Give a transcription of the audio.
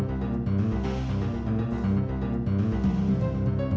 keluarin semua yang mahal mas